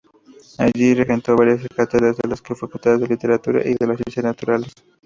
Allí regentó varias cátedras en las facultades de Literatura y de Ciencias Naturales.